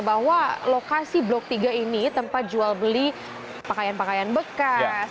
bahwa lokasi blok tiga ini tempat jual beli pakaian pakaian bekas